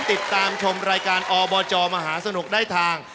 ติดตามชมรายการอบจมหาสนุกได้ทาง